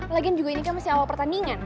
lagian juga ini kan masih awal pertandingan